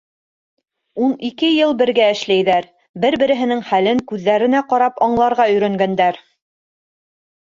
Ун ике йыл бергә эшләйҙәр, бер-береһенең хәлен күҙҙәренә ҡарап аңларға өйрәнгәндәр.